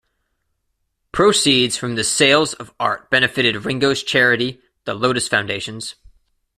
Proceeds from the sales of art benefited Ringo's charity The Lotus Foundations.